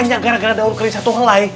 hanya gara gara daun kering satu ngelay